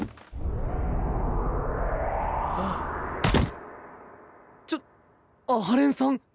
ゴトッちょっ阿波連さん